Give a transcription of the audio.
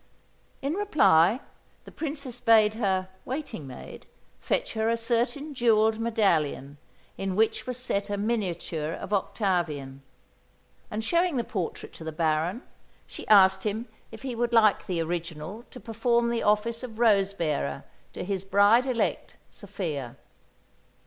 In reply, the Princess bade her "waiting maid" fetch her a certain jewelled medallion in which was set a miniature of Octavian; and showing the portrait to the Baron, she asked him if he would like the original to perform the office of rose bearer to his bride elect, Sophia.